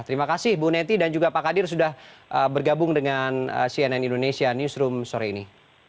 terima kasih bu neti dan juga pak kadir sudah bergabung dengan cnn indonesia newsroom sore ini